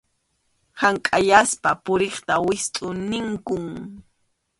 Hank’ayaspa puriqta wistʼu ninkum.